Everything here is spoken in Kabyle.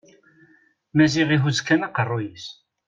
Maziɣ ihuz kan aqerruy-is.